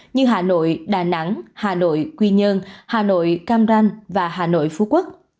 như hà nội đà nẵng hà nội quy nhơn hà nội cam ranh và hà nội phú quốc